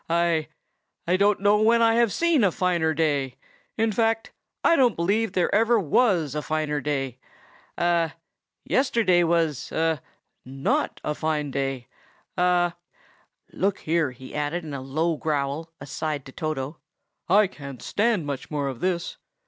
I—don't know when I have seen a finer day. In fact, I don't believe there ever was a finer day. A—yesterday was—a—not a fine day. A— "Look here!" he added, in a low growl, aside to Toto, "I can't stand much more of this.